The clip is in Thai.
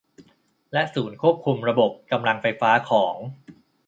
และศูนย์ควบคุมระบบกำลังไฟฟ้าของ